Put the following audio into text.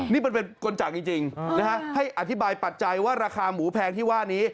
นี่มันเป็นกลจากจริงนะฮะให้อธิบายปัจจัยว่าราคาหมูแพงที่ว่านี้